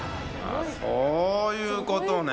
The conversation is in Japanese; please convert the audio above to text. そういうことね。